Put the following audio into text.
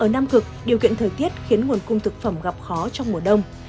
trong thời tiết khiến nguồn cung thực phẩm gặp khó trong mùa đông